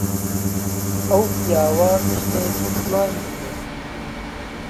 ئەو پیاوە ژنێکی جوانی هەیە.